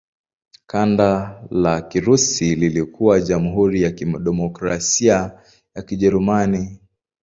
Kanda la Kirusi lilikuwa Jamhuri ya Kidemokrasia ya Kijerumani.